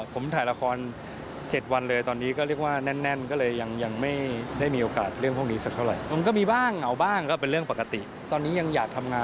ผมถ่ายละคร๗วันเลย